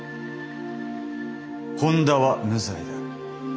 本田は無罪だ。